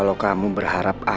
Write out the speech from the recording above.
gak ada apa apa